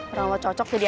orang lo cocok jadi anjing